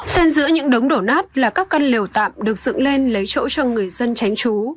xen giữa những đống đổ nát là các căn liều tạm được dựng lên lấy chỗ cho người dân tránh chú